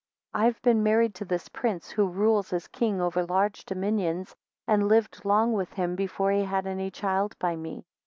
24 I have been married to this prince, who rules as king over large dominions, and lived long with him before he had any child by me.